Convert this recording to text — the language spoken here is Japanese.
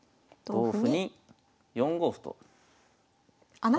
同歩に４五歩と。